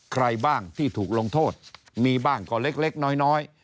ใครบ้างที่ถูกลงโทษมีบ้างก็เล็กน้อย